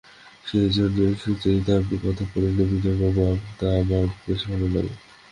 সেইজন্য সুচরিতা আপনি কথা পাড়িল, বিনয়বাবুকে কিন্তু আমার বেশ ভালো লাগে।